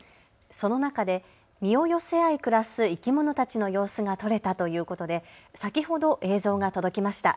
その中で身を寄せ合い暮らす生き物たちの様子が撮れたということで先ほど映像が届きました。